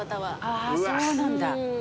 ああそうなんだ。